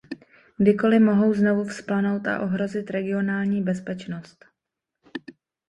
Kdykoli mohou znovu vzplanout a ohrozit regionální bezpečnost.